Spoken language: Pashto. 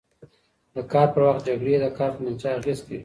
د کار پر وخت جکړې د کار په نتیجه اغېز کوي.